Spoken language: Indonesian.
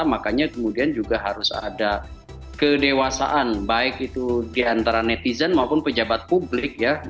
makanya kemudian juga harus ada kedewasaan baik itu diantara netizen maupun pejabat publik ya